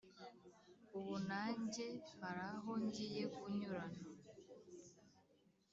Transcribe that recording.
ubu najye haraho ngiye kunyurana